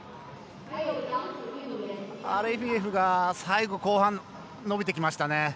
アレフィエフが最後、後半伸びてきましたね。